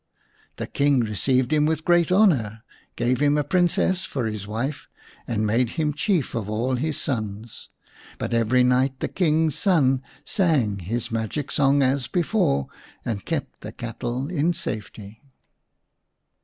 The King received him with great honour, gave him a Princess for his wife, and made him Chief of all his sons ; but every night the King's son sang his magic song as before, and kept the cattle in safety.